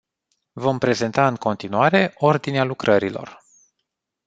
Vom prezenta în continuare ordinea lucrărilor.